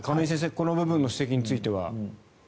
この部分の指摘については。